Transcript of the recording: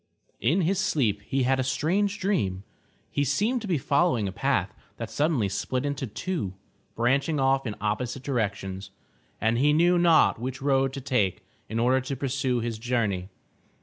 In his sleep he had a strange dream. He seemed to be following a path that suddenly split into two, branching off in opposite directions, and he knew not which road to take in order to pursue his journey.